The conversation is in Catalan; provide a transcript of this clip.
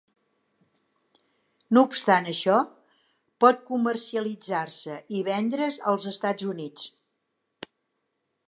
No obstant això, pot comercialitzar-se i vendre's als Estats Units.